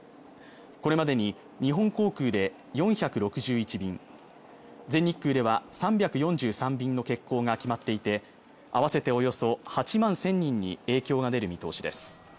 これまでに日本航空で４６１便全日空では３４３便の欠航が決まっていて合わせておよそ８万１０００人に影響が出る見通しです